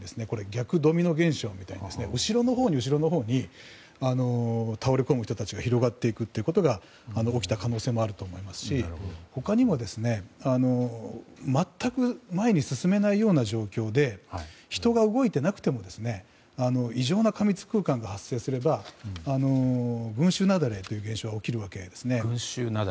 逆ドミノ現象のように後ろのほうに、後ろのほうに倒れこむ人たちが広がっていくということが起きた可能性もありますし他にも全く前に進めないような状況で人が動いていなくても異常な過密空間が発生すれば群衆雪崩という現象が起きるわけですね。